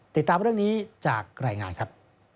ติดตามเรื่องนี้จากรายงานครับ